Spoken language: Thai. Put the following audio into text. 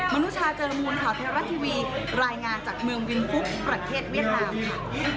นุชาเจอมูลข่าวเทวรัฐทีวีรายงานจากเมืองวินฟุกประเทศเวียดนามค่ะ